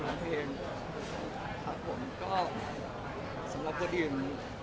เพลงครับผมก็สำหรับคนอื่น